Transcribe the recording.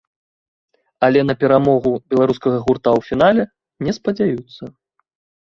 Але на перамогу беларускага гурта ў фінале не спадзяюцца.